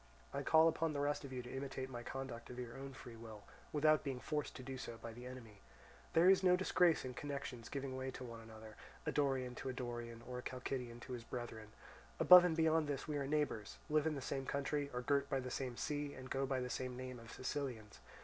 I call upon the rest of you to imitate my conduct of your own free will, without being forced to do so by the enemy. There is no disgrace in connections giving way to one another, a Dorian to a Dorian, or a Chalcidian to his brethren; above and beyond this we are neighbours, live in the same country, are girt by the same sea, and go by the same name of Sicilians.